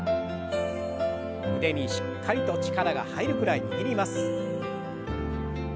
腕にしっかりと力が入るくらい握ります。